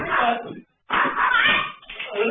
เฮ้ยโทษมากโทษ